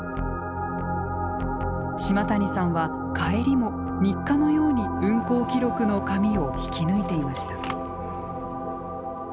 島谷さんは帰りも日課のように運行記録の紙を引き抜いていました。